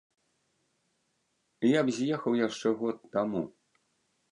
Я б з'ехаў яшчэ год таму.